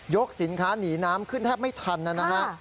สินค้าหนีน้ำขึ้นแทบไม่ทันนะฮะ